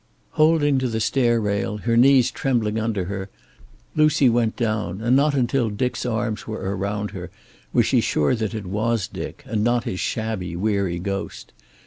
Holding to the stair rail, her knees trembling under her, Lucy went down, and not until Dick's arms were around her was she sure that it was Dick, and not his shabby, weary ghost.